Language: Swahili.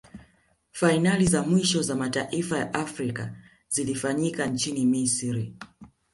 fainali za mwisho za mataifa ya afrika zilifanyika nchini misri